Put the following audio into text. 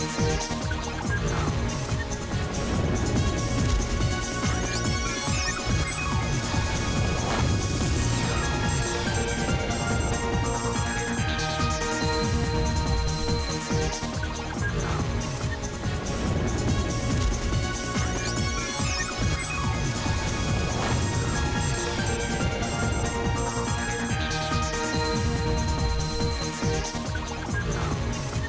สวัสดีครับ